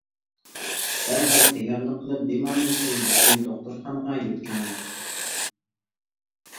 دەرھال تەييارلىق قىلىپ بىمارنى تېز يۇقىرى دوختۇرخانىغا يۆتكەڭلار.